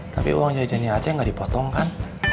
tapi uang jenis jenis aja gak dipotong kan